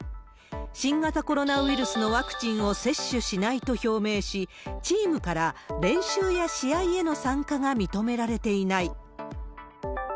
新型コロナウイルスのワクチンを接種しないと表明し、チームから練習や試合への参加が認められていない。